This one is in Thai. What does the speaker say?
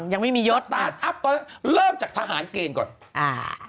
ยังไม่มีเยอะตาเริ่มจากทหารเกณฑ์ก่อนอ่า